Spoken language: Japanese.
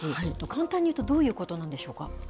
簡単に言うとどういうことなんでしょうか。